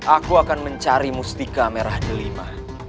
aku akan mencari mustika merah delima